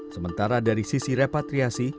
sementara dari sisi repatriasi